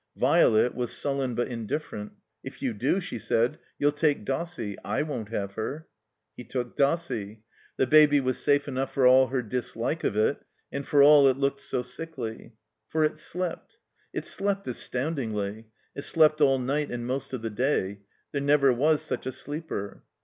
Violet was sullen but indifferent. "If you do," she said, "you'll take Dossie. / won't have her." He took Dossie. The Baby was safe enough for all her dislike of it, and for all it looked so sickly. For it slept. It slept astoundingly. It slept all night and most of the day. There never was such a sleeper.